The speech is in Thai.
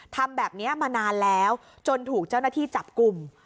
ทำแบบนี้มานานแล้วจนถูกเจ้าหน้าที่จับกลุ่ม